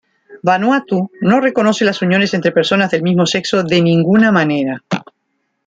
Vanuatu no reconoce las uniones entre personas del mismo sexo de ninguna manera.